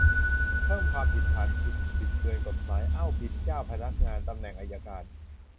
เพิ่มความผิดฐานบิดเบือนกฎหมาย เอาผิดเจ้าพนักงานตำแหน่งอัยการ